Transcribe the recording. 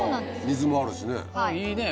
水もあるしね。